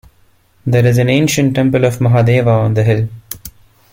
There is an ancient temple of Mahadeva on the hill.